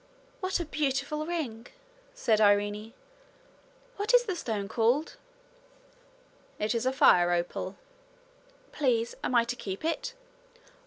'What a beautiful ring!' said Irene. 'What is the stone called?' 'It is a fire opal.' 'Please, am I to keep it?'